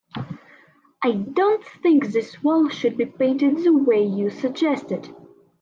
I don't think this wall should be painted the way you suggested.